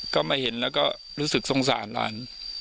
ก็มาเห็นแล้วก็รู้สึกสงสารหลาน